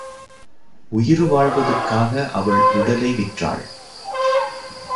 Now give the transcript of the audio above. உயிர் வாழ்வதற்காக அவள் உடலை விற்றாள்.